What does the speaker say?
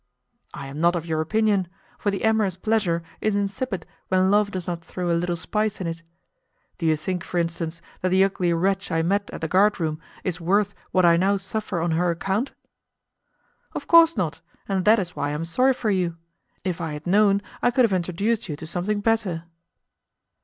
"I am not of your opinion, for the amorous pleasure is insipid when love does not throw a little spice in it. Do you think, for instance, that the ugly wretch I met at the guard room is worth what I now suffer on her account?" "Of course not, and that is why I am sorry for you. If I had known, I could have introduced you to something better."